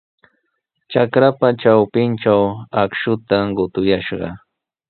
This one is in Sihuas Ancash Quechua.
Trakrapa trawpintraw akshuta qutuyashqa.